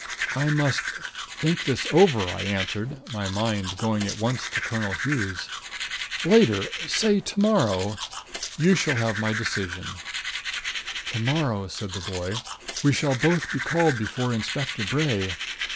"I must think this over," I answered, my mind going at once to Colonel Hughes. "Later say to morrow you shall have my decision." "To morrow," said the boy, "we shall both be called before Inspector Bray.